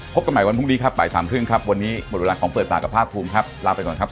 พบกันใหม่วันพรุ่งดีครับปลาย๓ครึ่งครับ